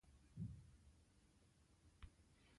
افغانستان د نمک د ساتنې لپاره قوانین لري.